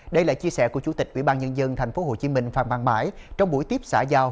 đây là chia sẻ của chủ tịch ubnd tp hcm phan văn mãi trong buổi tiếp xã giao